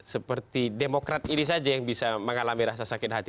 seperti demokrat ini saja yang bisa mengalami rasa sakit hati